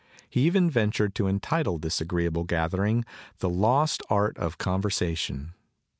He even ventured to entitle this agreeable gathering the 'Lost Art of Conversation.